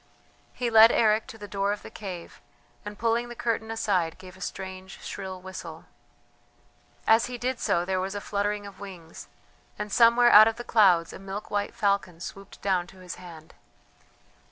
He led Eric to the door of the cave, and pulling the curtain aside, gave a strange, shrill whistle. As he did so there was a fluttering of wings, and somewhere out of the clouds a milk white falcon swooped down to his hand.